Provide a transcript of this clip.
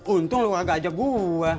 untung lo gak ajak gue